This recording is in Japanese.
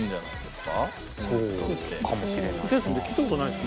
そうかもしれないな。